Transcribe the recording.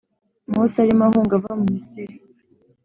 Mose arimo ahunga ava mu Misiri